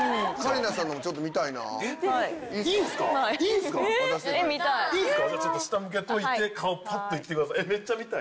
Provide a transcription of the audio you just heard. ちょっと下向けといて顔パッといってください。